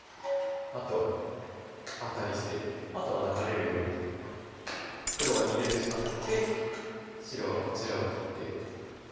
あとはアタリしてあとは流れるように黒は逃げるしかなくて白はこちらを切って。